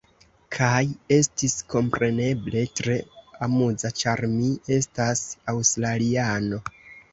Kaj estis, kompreneble tre amuza ĉar mi estas aŭstraliano.